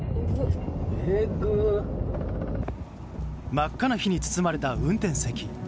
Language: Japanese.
真っ赤な火に包まれた運転席。